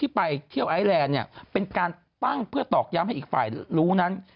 ไปเที่ยวไอแลนด์เนี่ยเป็นการตั้งเพื่อตอกย้ำให้อีกฝ่ายรู้นั้น